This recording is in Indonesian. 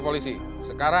bapak bisa mencoba